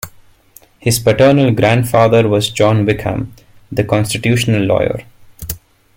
His paternal grandfather was John Wickham, the constitutional lawyer.